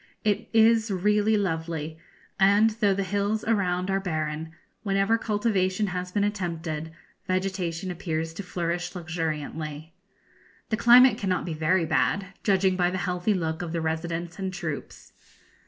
It is really lovely, and, though the hills around are barren, wherever cultivation has been attempted, vegetation appears to flourish luxuriantly. The climate cannot be very bad, judging by the healthy look of the residents and troops.